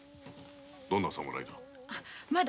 どんな侍だ？